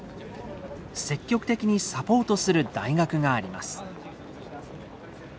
積極的にサポートする大学があります。